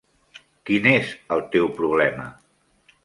Quin és el teu problema?